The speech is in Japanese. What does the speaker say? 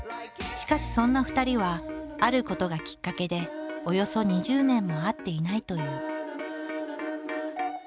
しかしそんな２人はあることがきっかけでおよそ２０年も会っていないという。